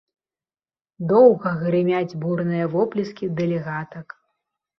Доўга грымяць бурныя воплескі дэлегатак.